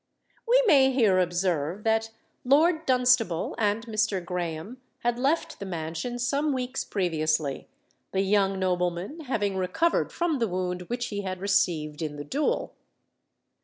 We may here observe that Lord Dunstable and Mr. Graham had left the mansion some weeks previously, the young nobleman having recovered from the wound which he had received in the duel.